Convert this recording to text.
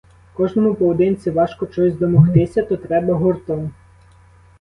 Кожному поодинці важко чогось домогтися, то треба гуртом.